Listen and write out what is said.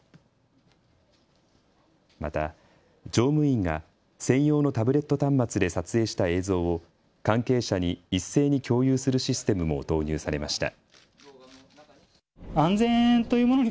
また乗務員が専用のタブレット端末で撮影した映像を関係者に一斉に共有するシステムも導入されました。